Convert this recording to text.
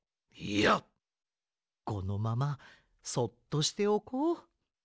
いやこのままそっとしておこう。